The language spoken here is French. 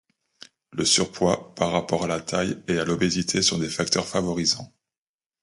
Le surpoids par rapport à la taille et à l’obésité sont les facteurs favorisants.